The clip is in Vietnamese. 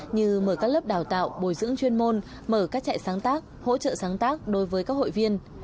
như mở các lớp đào tạo bồi dưỡng chuyên môn mở các trại sáng tác hỗ trợ sáng tác đối với các hội viên